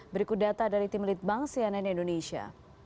berikut data dari tim litbang cnn indonesia